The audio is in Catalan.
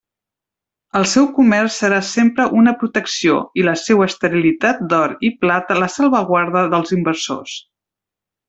El seu comerç serà sempre una protecció, i la seua esterilitat d'or i plata la salvaguarda dels invasors.